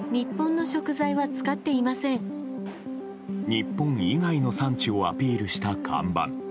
日本以外の産地をアピールした看板。